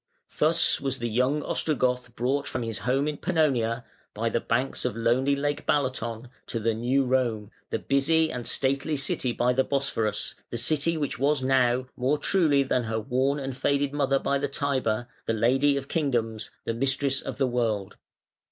] Thus was the young Ostrogoth brought from his home in Pannonia, by the banks of lonely Lake Balaton, to the New Rome, the busy and stately city by the Bosphorus, the city which was now, more truly than her worn and faded mother by the Tiber, the "Lady of Kingdoms" the "Mistress of the World".